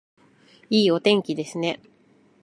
いいお天気ですね